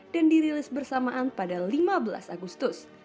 dan dirilis bersamaan pada lima belas agustus